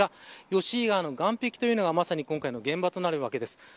吉井川岸壁というのがまさに今回の現場となるわけです。